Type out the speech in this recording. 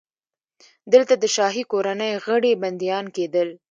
دلته د شاهي کورنۍ غړي بندیان کېدل.